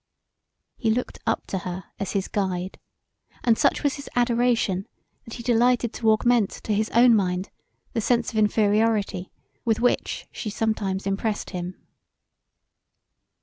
He looked up to her as his guide, and such was his adoration that he delighted to augment to his own mind the sense of inferiority with which she sometimes impressed him.